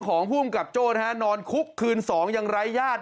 ภูมิกับโจ้นะฮะนอนคุกคืน๒ยังไร้ญาติ